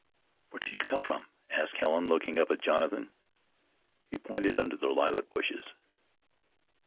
"Where did you come from?" asked Helen, looking up at Jonathan. He pointed under the lilac bushes.